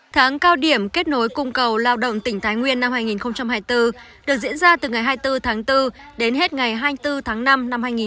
tháng cao điểm kết nối cung cầu lao động tỉnh thái nguyên năm hai nghìn hai mươi bốn được diễn ra từ ngày hai mươi bốn tháng bốn đến hết ngày hai mươi bốn tháng năm năm hai nghìn hai mươi bốn